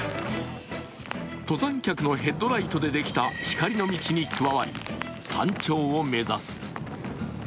登山客のヘッドライトでできた光の道に加わり、山頂を目指す。